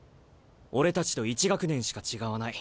俺たちと１学年しか違わない。